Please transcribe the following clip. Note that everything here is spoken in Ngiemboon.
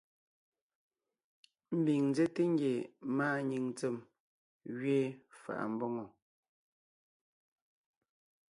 Ḿbiŋ ńzέte ngie màanyìŋ ntsém gẅiin fà’a mbòŋo.